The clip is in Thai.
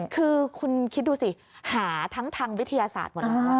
คือคุณคิดดูสิหาทั้งทางวิทยาศาสตร์หมดแล้ว